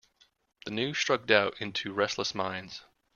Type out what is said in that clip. The news struck doubt into restless minds.